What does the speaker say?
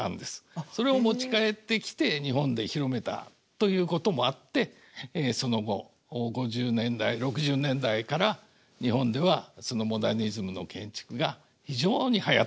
それを持ち帰ってきて日本で広めたということもあってその後５０年代６０年代から日本ではそのモダニズムの建築が非常にはやったんですね。